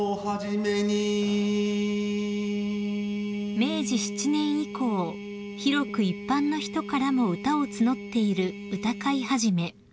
［明治７年以降広く一般の人からも歌を募っている歌会始］